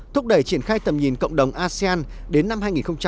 thúc đẩy triển khai tầm nhìn cộng đồng asean đến năm hai nghìn bốn mươi năm